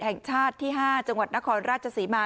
แห่งชาติที่๕จังหวัดนครราชศรีมา